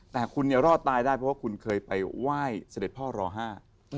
แต่คุณเนี่ยรอดตายได้เพราะว่าคุณเคยไปไหว้เสด็จพ่อรอห้า